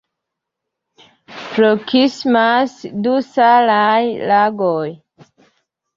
Proksimas du salaj lagoj.